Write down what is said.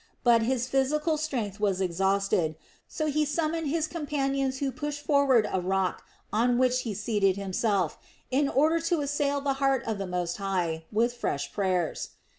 But his physical strength was exhausted, so he summoned his companions who pushed forward a rock on which he seated himself, in order to assail the heart of the Most High with fresh prayers.